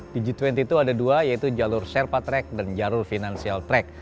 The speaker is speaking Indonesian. di g dua puluh itu ada dua yaitu jalur serpa track dan jalur financial track